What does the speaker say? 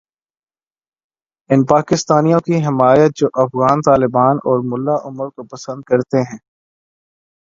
ان پاکستانیوں کی حمایت جوافغان طالبان اور ملا عمر کو پسند کرتے ہیں۔